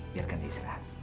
biarkan dia istirahat